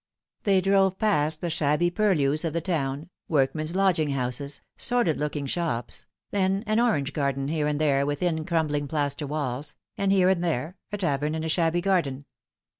They drove past the shabby purlieus of the town, workmen's lodging houses, sordid looking shops, then an orange garden here and there within crumbling plaster walls, and here and there a tavern in a shabby garden.